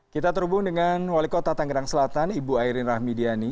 kita terhubung dengan wali kota tangerang selatan ibu ayrin rahmidiani